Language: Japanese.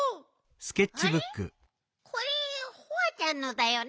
あれこれホワちゃんのだよね？